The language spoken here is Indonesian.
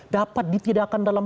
dapat ditindakan dalam